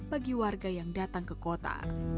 bagi warga yang datang ke kota